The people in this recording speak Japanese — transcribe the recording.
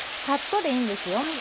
サッとでいいんですよ